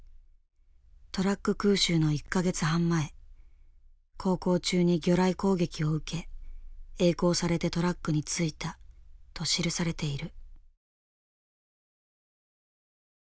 トラック空襲の１か月半前航行中に魚雷攻撃を受け曳航されてトラックに着いたと記されている。